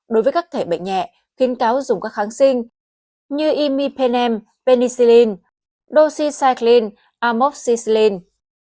đối với các thể bệnh nhẹ khín cáo dùng các kháng sinh như imipenem penicillin doxycycline amoxicillin